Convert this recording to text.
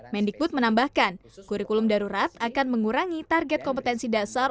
mendikbud menambahkan kurikulum darurat akan mengurangi target kompetensi dasar